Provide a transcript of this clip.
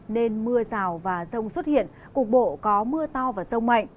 nên mưa rào và rông xuất hiện cục bộ có mưa to và rông mạnh